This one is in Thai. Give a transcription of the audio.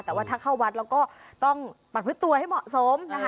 แต่ว่าถ้าเข้าวัดเราก็ต้องประพฤติตัวให้เหมาะสมนะคะ